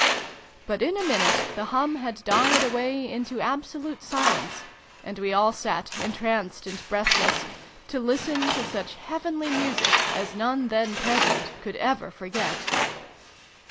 But in a minute the hum had died away into absolute silence, and we all sat, entranced and breathless, to listen to such heavenly music as none then present could ever forget.